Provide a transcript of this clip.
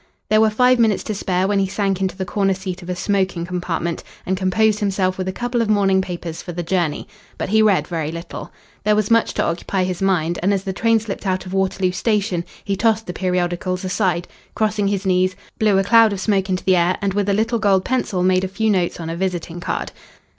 There were five minutes to spare when he sank into the corner seat of a smoking compartment, and composed himself with a couple of morning papers for the journey. But he read very little. There was much to occupy his mind, and as the train slipped out of Waterloo station he tossed the periodicals aside, crossed his knees, blew a cloud of smoke into the air, and with a little gold pencil made a few notes on a visiting card.